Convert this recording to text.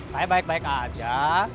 saya baik baik aja